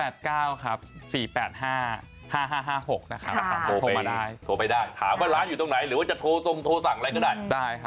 โทรมาได้โทรไปได้ถามว่าร้านอยู่ตรงไหนหรือว่าจะโทรทรงโทรสั่งอะไรก็ได้